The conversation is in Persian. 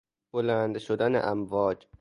بلند شدن امواج